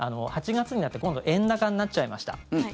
８月になって今度は円高になっちゃいました。